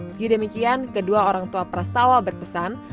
sekidemikian kedua orang tua pras tawa berpesan